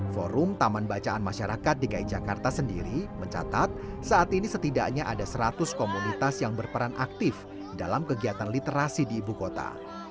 forum taman bacaan masyarakat dki jakarta sendiri mencatat saat ini setidaknya ada seratus komunitas yang berperan aktif dalam kegiatan literasi di ibu kota